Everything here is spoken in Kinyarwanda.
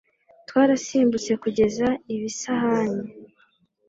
twarasimbutse kugeza ibisahani